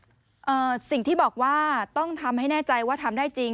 ก่อนเรื่องรอกว่าต้องทำให้แน่ใจว่าทำได้จริง